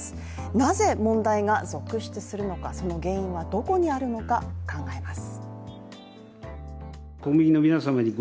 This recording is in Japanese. なぜ問題が続出するのか、その原因はどこにあるのか考えます。